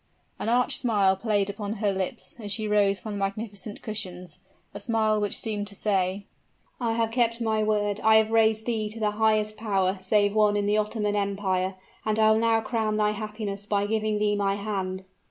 An arch smile played upon her lips, as she rose from the magnificent cushions a smile which seemed to say, "I have kept my word, I have raised thee to the highest dignity, save one in the Ottoman Empire and I will now crown thine happiness by giving thee my hand."